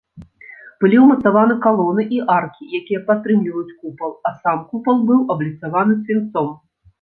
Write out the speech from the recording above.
Былі ўмацаваны калоны і аркі, якія падтрымліваюць купал, а сам купал быў абліцаваны свінцом.